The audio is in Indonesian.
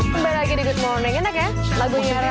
kembali lagi di good morning enak ya lagu nyaran